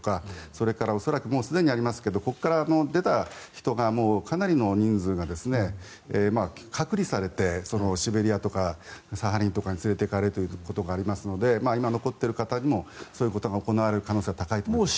それから恐らくすでにありますけどここから出た人がかなりの人数が隔離されてシベリアとかサハリンとかに連れていかれてというようなことがありますので今残っている方にもそういうことが行われる可能性は高いと思います。